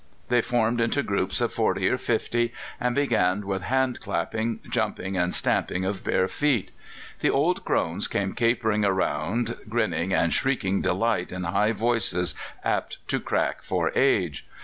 They formed into groups of forty or fifty, and began with hand clapping, jumping, and stamping of bare feet. The old crones came capering round, grinning and shrieking delight in high voices apt to crack for age.